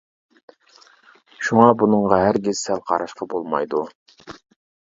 شۇڭا بۇنىڭغا ھەرگىز سەل قاراشقا بولمايدۇ.